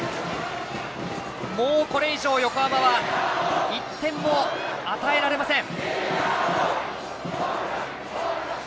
もうこれ以上横浜は１点も与えられません。